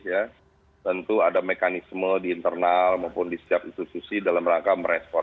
ya tentu ada mekanisme di internal maupun di setiap institusi dalam rangka merespon